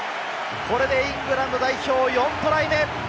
これでイングランド代表、４トライ目。